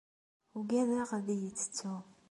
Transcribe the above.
Ugadeɣ ad iyi-tettu.